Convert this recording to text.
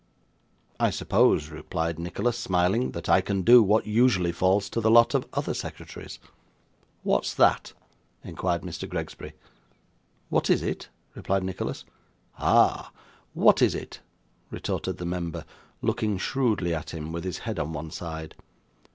'I suppose,' replied Nicholas, smiling, 'that I can do what usually falls to the lot of other secretaries.' 'What's that?' inquired Mr. Gregsbury. 'What is it?' replied Nicholas. 'Ah! What is it?' retorted the member, looking shrewdly at him, with his head on one side.